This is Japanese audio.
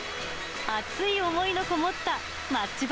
熱い想いの込もったマッチ箱